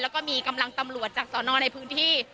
แล้วก็มีกำลังตำรวจจากสอนอในพื้นที่